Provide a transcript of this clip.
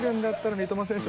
「三笘選手」